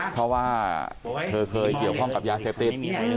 เพราะว่าเธอเคยเกี่ยวข้องกับยาเสพติด